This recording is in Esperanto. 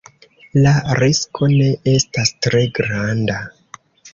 La risko ne estas tre granda.